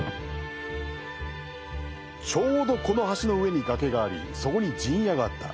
ちょうどこの橋の上に崖がありそこに陣屋があった。